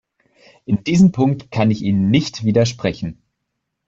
In diesem Punkt kann ich Ihnen nicht widersprechen.